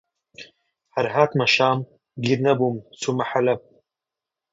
هەر هاتمە شام، گیر نەبووم چوومە حەڵەب